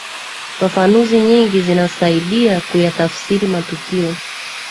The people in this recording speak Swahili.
fafanuzi nyingi zinasaidia kuyatafsiri matukio